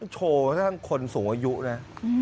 โชว์ทั้งคนสูงอายุนะ